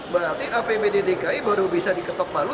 berarti apbd dki baru bisa diketok palu